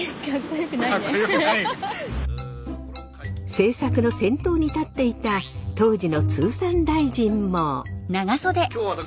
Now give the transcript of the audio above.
政策の先頭に立っていた当時の通産大臣も。